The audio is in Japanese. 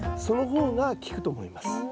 その方が効くと思います。